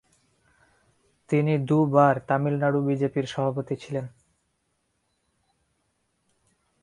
তিনি দুবার তামিলনাড়ু বিজেপির সভাপতি ছিলেন।